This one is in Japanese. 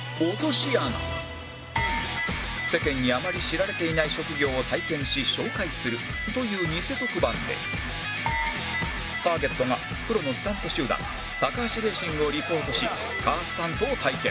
世間にあまり知られていない職業を体験し紹介するという偽特番でターゲットがプロのスタント集団橋レーシングをリポートしカースタントを体験